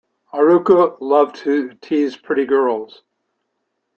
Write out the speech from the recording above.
Haruka loves to tease pretty girls.